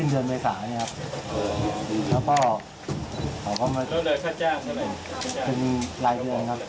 แล้วขายเป็นกี่กระบอกละประมาณ๔๐๐๐บาท